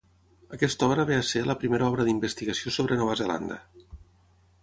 Aquesta obra ve a ser la primera obra d'investigació sobre Nova Zelanda.